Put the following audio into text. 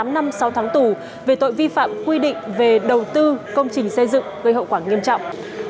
tám năm sau tháng tù về tội vi phạm quy định về đầu tư công trình xây dựng gây hậu quả nghiêm trọng